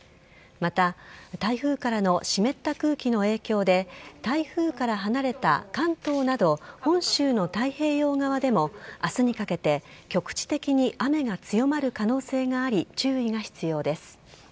また台風からの湿った空気の影響で台風から離れた関東など本州の太平洋側でも明日にかけて局地的に雨が強まる可能性があり注意が必要です。